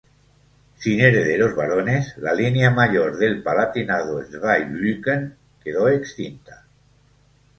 Sin herederos varones, la línea mayor del Palatinado-Zweibrücken quedó extinta.